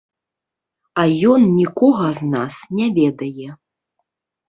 А ён нікога з нас не ведае.